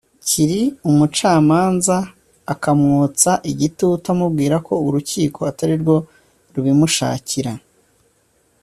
kiri umucamanza akamwotsa igitutu amubwira ko urukiko atarirwo rubimushakira